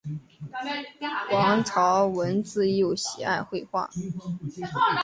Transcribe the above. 王朝闻自幼喜爱绘画。